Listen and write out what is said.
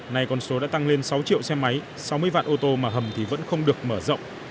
này con số đã tăng lên sáu triệu xe máy sáu mươi vạn ô tô mà hầm thì vẫn không được mở rộng